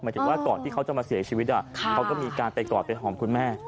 ถึงว่าก่อนที่เขาจะมาเสียชีวิตเขาก็มีการไปกอดไปหอมคุณแม่